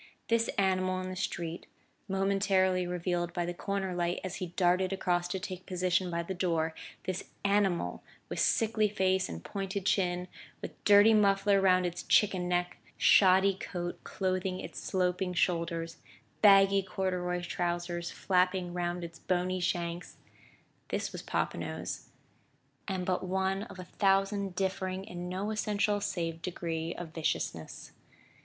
This animal in the street, momentarily revealed by the corner light as he darted across to take position by the door, this animal with sickly face and pointed chin, with dirty muffler round its chicken neck, shoddy coat clothing its sloping shoulders, baggy corduroy trousers flapping round its bony shanks this was Popinot's, and but one of a thousand differing in no essential save degree of viciousness.